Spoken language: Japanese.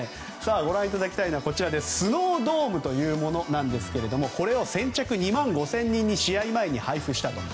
ご覧いただきたいのはスノードームなんですがこれを先着２万５０００人に試合前に配布したと。